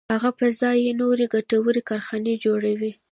هغه پر ځای یې نورې ګټورې کارخانې جوړوي